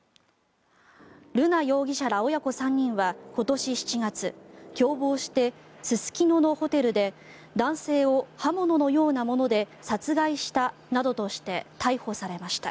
瑠奈容疑者ら親子３人は今年７月共謀して、すすきののホテルで男性を刃物のようなもので殺害したなどとして逮捕されました。